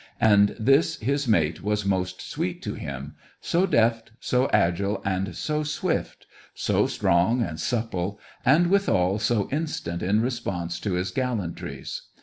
And this his mate was most sweet to him; so deft, so agile, and so swift; so strong and supple, and withal so instant in response to his gallantries.